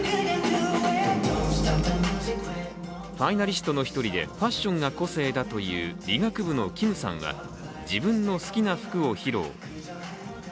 ファイナリストの一人でファッションが個性だという、理学部のキムさんは自分の好きな服を披露。